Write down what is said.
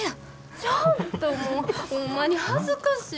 ちょっともうホンマに恥ずかしい。